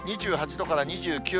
２８度から２９度。